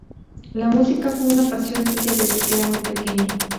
La música fue una pasión suya desde que era muy pequeña.